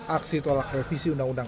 aksi tolak revisi undang undang